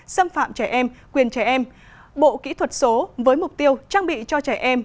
xâm phạm trẻ em quyền trẻ em bộ kỹ thuật số với mục tiêu trang bị cho trẻ em